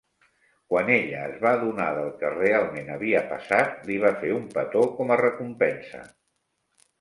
Quan ella es va adonar del que realment havia passat, li va fer un petó com a recompensa.